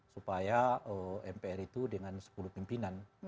supaya mpr itu dengan sepuluh pimpinan